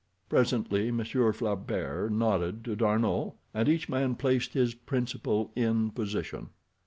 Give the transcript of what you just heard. Presently Monsieur Flaubert nodded to D'Arnot, and each man placed his principal in position.